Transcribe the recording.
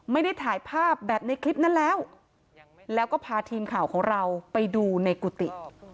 ไม่ได้ถ่ายภาพแบบในคลิปนั้นแล้วแล้วก็พาทีมข่าวของเราไปดูในกุฏิ